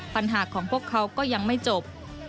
ปัญหาของพวกเขาก็ยังไม่จบ